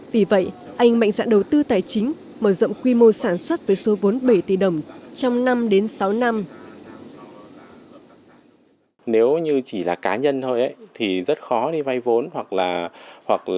vì vậy anh mạnh dạng đầu tư tài chính mở rộng quy mô sản xuất với số vốn bảy tỷ đồng trong năm đến sáu năm